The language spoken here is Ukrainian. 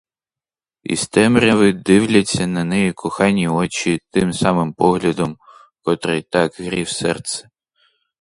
Із темряви дивляться на неї кохані очі тим самим поглядом, котрий так грів серце.